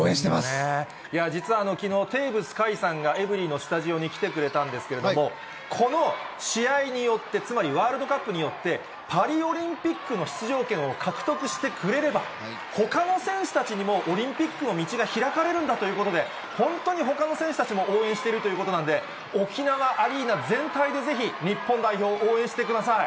いやぁ、実はきのう、さんがエブリィのスタジオに来てくれたんですけれども、この試合によって、つまりワールドカップによって、パリオリンピックの出場権を獲得してくれれば、ほかの選手たちにもオリンピックの道が開かれるんだということで、本当にほかの選手たちも応援してるということなんですで、沖縄アリーナ全体でぜひ、日本代表を応援してください。